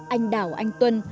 anh đảo anh tuân